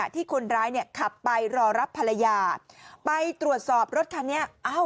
ที่คนร้ายเนี่ยขับไปรอรับภรรยาไปตรวจสอบรถคันนี้